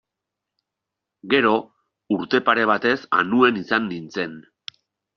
Gero, urte pare batez Anuen izan nintzen.